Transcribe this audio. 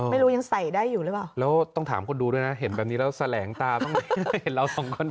ไม่รู้ยังใส่ได้อยู่หรือเปล่าแล้วต้องถามคนดูด้วยนะเห็นแบบนี้แล้วแสลงตาต้องเห็นเราสองคน